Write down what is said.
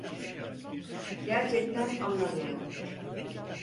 Gerçekten anlamıyorum.